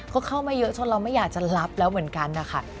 ก็เข้ามาเยอะจนเราไม่อยากจะรับแล้วเหมือนกันนะคะ